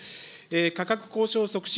価格交渉促進